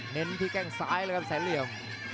เน้นที่แข้งซ้ายเลยครับแสนเหลี่ยม